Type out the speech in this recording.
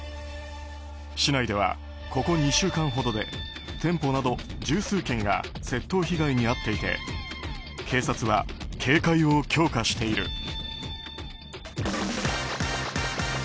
市内ではここ２週間ほどで店舗など十数軒が窃盗被害に遭っていて警察は警戒を強化している。